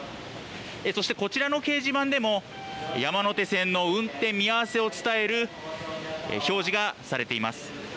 そしてこちらの掲示板でも山手線の運転見合わせを伝える表示がされています。